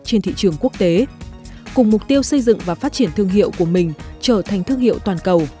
trên thị trường quốc tế cùng mục tiêu xây dựng và phát triển thương hiệu của mình trở thành thương hiệu toàn cầu